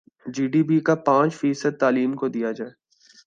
جی D P کا پانچ فیصد تعلیم کو دیا جائے